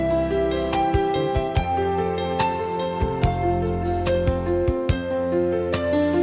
hẹn gặp lại